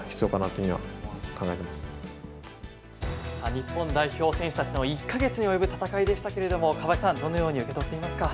日本代表選手たちの１ヶ月に及ぶ戦いでしたけれども、川合さんどのように受け取っていますか？